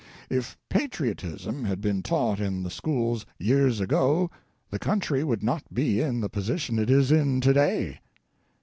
"If patriotism had been taught in the schools years ago the country would not be in the position it is in today.